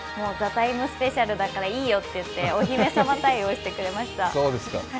スペシャルだからいいよって言ってお姫様対応してくれました。